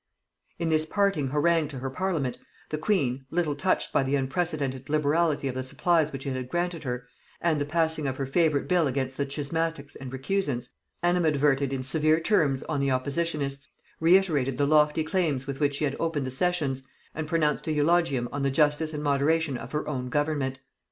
] In this parting harangue to her parliament, the queen, little touched by the unprecedented liberality of the supplies which it had granted her, and the passing of her favorite bill against the schismatics and recusants, animadverted in severe terms on the oppositionists, reiterated the lofty claims with which she had opened the sessions, and pronounced an eulogium on the justice and moderation of her own government.